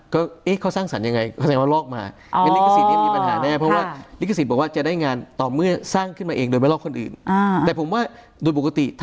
ก็เอ๊ะเขาสร้างสรรย์ยังไงเขาสร้างวัดลอกมา